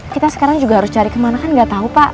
kita sekarang juga harus cari kemana kan nggak tahu pak